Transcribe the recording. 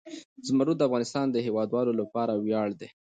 زمرد د افغانستان د هیوادوالو لپاره ویاړ دی.